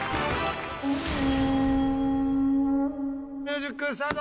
ミュージックスタート！